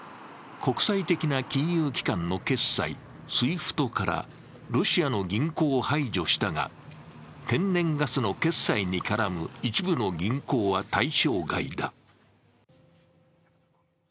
国際的な金融機関の決済ＳＷＩＦＴからロシアの銀行を排除したが、天然ガスの決済に絡む一部の銀行は対象外だ。